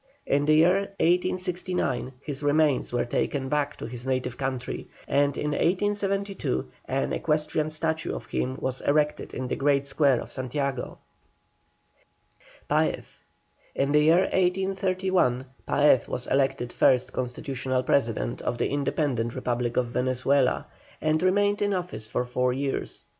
In the year 1869 his remains were taken back to his native country, and in 1872 an equestrian statue of him was erected in the great square of Santiago. PAEZ. In the year 1831 Paez was elected first Constitutional President of the Independent Republic of Venezuela, and remained in office for four years.